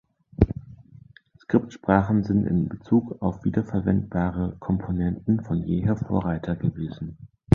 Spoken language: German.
Skriptsprachen sind in Bezug auf wiederverwendbare Komponenten von jeher Vorreiter gewesen.